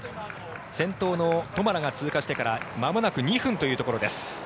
先頭のトマラが通過してからまもなく２分というところです。